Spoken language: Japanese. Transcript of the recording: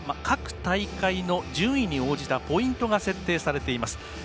各大会の順位に応じたポイントが設定されています。